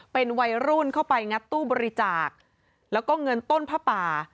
เป็นวัยรุ่นเข้าไปงัดตู้บริจาคแล้วก็เงินต้นผ้าป่า